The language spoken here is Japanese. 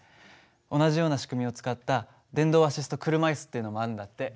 同じような仕組みを使った電動アシスト車椅子っていうのもあるんだって。